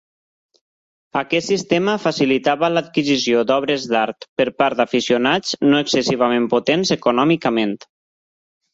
Aquest sistema facilitava l'adquisició d'obres d'art per part d'aficionats no excessivament potents econòmicament.